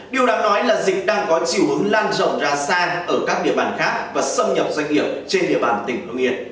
điều đáng nói là dịch đang có chiều hướng lan rộng ra xa ở các địa bàn khác và xâm nhập doanh nghiệp trên địa bàn tỉnh long yên